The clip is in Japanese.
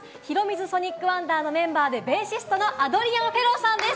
’ｓＳｏｎｉｃＷｏｎｄｅｒのメンバーで、ベーシストのアドリアン・フェローさんです。